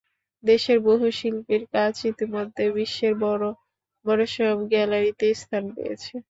দেশের বহু শিল্পীর কাজ ইতিমধ্যে বিশ্বের বড় বড় সব গ্যালারিতে স্থান পেয়েছে।